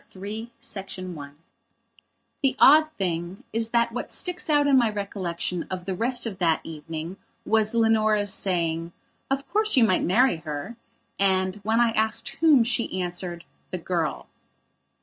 PART III I THE odd thing is that what sticks out in my recollection of the rest of that evening was Leonora's saying: "Of course you might marry her," and, when I asked whom, she answered: "The girl."